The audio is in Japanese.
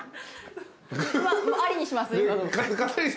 ありにします？